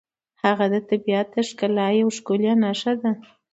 هغه د طبیعت د ښکلا یوه ښکلې نښه ده.